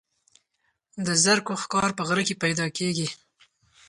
د زرکو ښکار په غره کې پیدا کیږي.